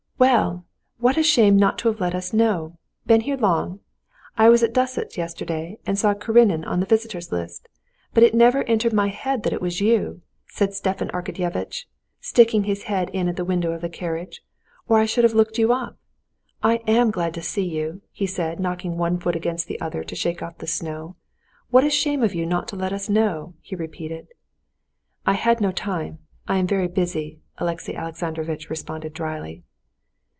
"Well, what a shame not to have let us know! Been here long? I was at Dussots' yesterday and saw 'Karenin' on the visitors' list, but it never entered my head that it was you," said Stepan Arkadyevitch, sticking his head in at the window of the carriage, "or I should have looked you up. I am glad to see you!" he said, knocking one foot against the other to shake the snow off. "What a shame of you not to let us know!" he repeated. "I had no time; I am very busy," Alexey Alexandrovitch responded dryly.